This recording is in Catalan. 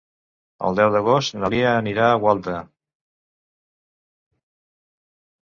El deu d'agost na Lia anirà a Gualta.